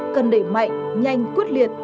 cần đẩy mạnh nhanh quyết liệt